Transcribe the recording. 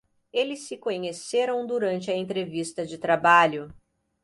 Eles se conheceram durante a entrevista de trabalho